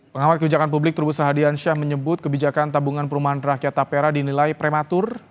pengawal kebijakan publik trubus hadiansyah menyebut kebijakan tabungan perumahan rakyat tapera dinilai prematur